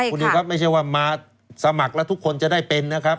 คุณนิวครับไม่ใช่ว่ามาสมัครแล้วทุกคนจะได้เป็นนะครับ